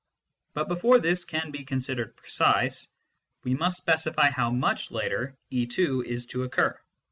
"] But before this can be considered precise, we must specify how much later e t is to occur.